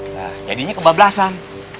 nah jadinya kebablasan